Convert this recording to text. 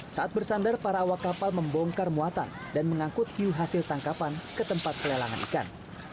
saat bersandar para awak kapal membongkar muatan dan mengangkut hiu hasil tangkapan ke tempat pelelangan ikan